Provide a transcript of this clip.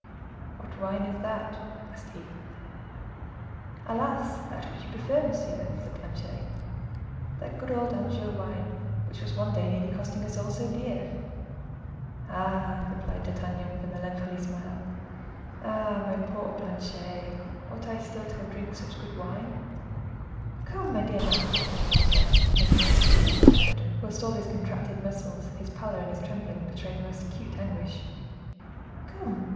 "What wine is that?" asked he. "Alas! that which you prefer, monsieur," said Planchet; "that good old Anjou wine, which was one day nearly costing us all so dear." "Ah!" replied D'Artagnan, with a melancholy smile, "Ah! my poor Planchet, ought I still to drink good wine?" "Come! my dear master," said Planchet, making a super human effort, whilst all his contracted muscles, his pallor and his trembling betrayed the most acute anguish. "Come!